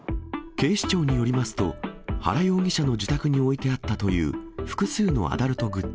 警視庁によりますと、原容疑者の自宅に置いてあったという複数のアダルトグッズ。